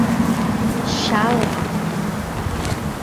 Chalé